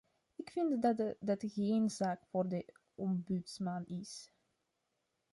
Ik vind dat dat geen zaak voor de ombudsman is.